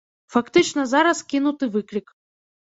Фактычна зараз кінуты выклік.